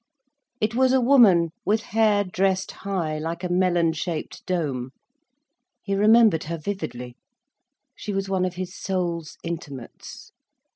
It was a woman, with hair dressed high, like a melon shaped dome. He remembered her vividly: she was one of his soul's intimates.